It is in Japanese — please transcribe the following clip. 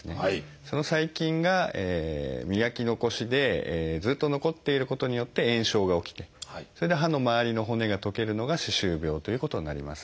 その細菌が磨き残しでずっと残っていることによって炎症が起きてそれで歯の周りの骨がとけるのが歯周病ということになります。